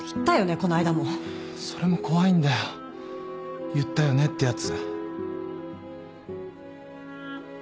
この間も。それも怖いんだよ「言ったよね？」ってやつ。